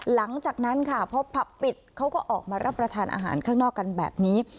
หลังจากนั้นค่ะพอผับปิดเขาก็ออกมารับประทานอาหารข้างนอกกันแบบนี้